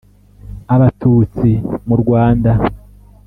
abatutsi mu rwanda.